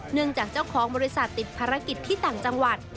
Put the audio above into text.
จากเจ้าของบริษัทติดภารกิจที่ต่างจังหวัด